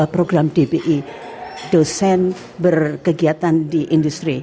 program dpi dosen berkegiatan di industri